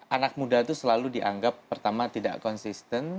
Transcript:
anak muda itu selalu dianggap pertama tidak konsisten